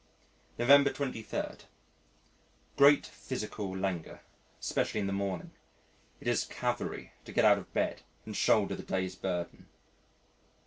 November 23. Great physical languor, especially in the morning. It is Calvary to get out of bed and shoulder the day's burden.